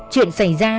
chuyện xảy ra